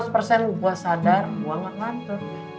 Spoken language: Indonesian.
dua ratus persen gue sadar gue gak mati